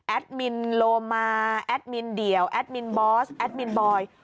มินโลมาแอดมินเดี่ยวแอดมินบอสแอดมินบอย